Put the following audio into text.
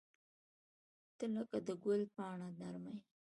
• ته لکه د ګل پاڼه نرمه یې.